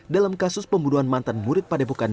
dalam kasus pembunuhan mantan murid pada bukaan